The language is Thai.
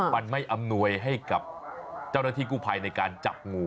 มันไม่อำนวยให้กับเจ้าหน้าที่กู้ภัยในการจับงู